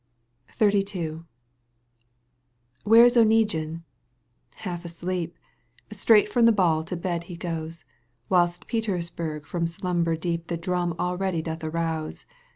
XXXII. Where is Oneguine ? Half asleep, Straight from the ball to bed he goes, Whilst Petersburg from slmnber deep The drmn already doth arouse.